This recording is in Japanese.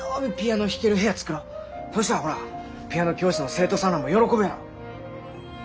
そしたらほらピアノ教室の生徒さんらも喜ぶやろ？